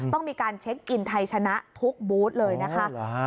ต้องมีการเช็คอินไทยชนะทุกบูธเลยนะคะ